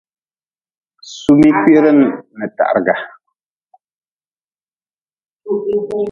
Sumi kwihre n tahrga.